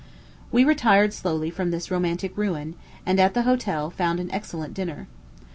We retired slowly from this romantic ruin, and at the hotel found an excellent dinner.